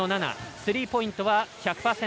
スリーポイントは１００％。